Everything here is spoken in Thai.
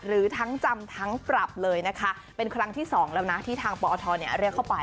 หรือทั้งจำทั้งปรับเลยนะคะเป็นครั้งที่สองแล้วนะที่ทางปอทเรียกเข้าไป